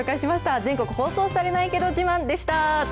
全国放送されないけど自慢でした。